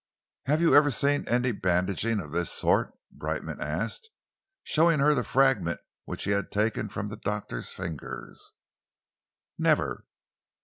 "Have you ever seen any bandaging of this sort?" Brightman asked, showing her the fragment which he had taken from the doctor's fingers. "Never."